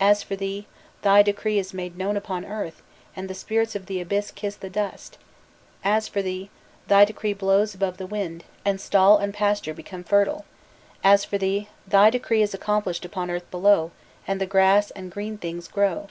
As for thee, thy decree is made known upon earth, and the spirits of the abyss kiss the dust! As for thee, thy decree blows above like the wind, and stall and pasture become fertile! As for thee, thy decree is accomplished upon earth below, and the grass and green things grow!